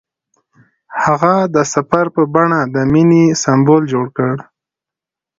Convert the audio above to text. هغه د سفر په بڼه د مینې سمبول جوړ کړ.